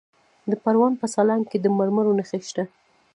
د پروان په سالنګ کې د مرمرو نښې شته.